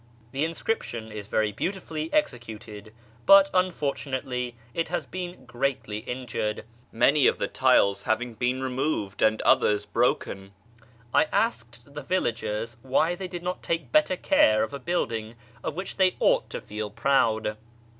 " The inscription is very beautifully executed, but unfortunately it has been greatly injured, many of the tiles having been re noved, and others broken. I asked the villagers why they lid not take better care of a building of which they ought to "eel proud.